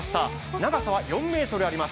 長さは４ｍあります。